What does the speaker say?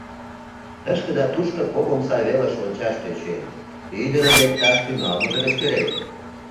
Тышке да тушко кок омса велыш ончаш тӧчен, ӱдырын лекташ тӱҥалмыжым эскерен.